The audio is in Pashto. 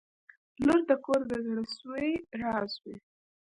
• لور د کور د زړسوي راز وي.